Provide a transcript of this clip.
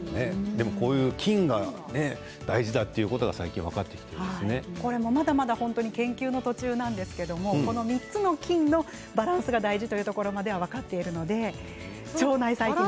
でもこういう菌が大事だということが最近これも、まだまだ研究の途中なんですけどこの３つの菌のバランスが大事というところまでは分かっているので腸内細菌が。